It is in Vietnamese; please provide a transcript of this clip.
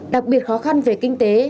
đặc biệt khó khăn về kinh tế